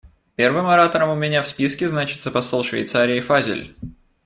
Первым оратором у меня в списке значится посол Швейцарии Фазель.